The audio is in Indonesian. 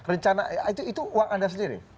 rencana itu uang anda sendiri